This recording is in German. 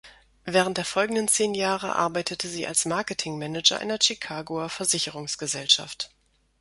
Während der folgenden zehn Jahre arbeitete sie als Marketing Manager einer Chicagoer Versicherungsgesellschaft.